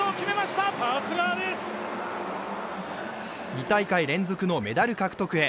２大会連続のメダル獲得へ。